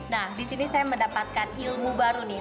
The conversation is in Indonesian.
nah di sini saya mendapatkan ilmu baru nih